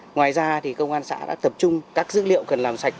ngoài ra thì công an xã đã tập trung các dữ liệu cần làm sạch